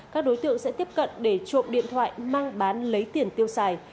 các đối tượng sẽ tiếp cận để trộm điện thoại mang bán lấy tiền tiêu xài